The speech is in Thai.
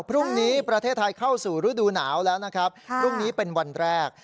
พรุ่งนี้ประเทศไทยเข้าสู่ฤดูหนาวแล้วนะครับพรุ่งนี้เป็นวันแรก